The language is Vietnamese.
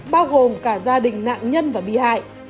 bao gồm cả gia đình nạn nhân và bị hại